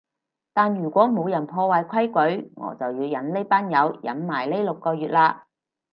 但如果冇人破壞規矩，我就要忍呢班友忍埋呢六個月喇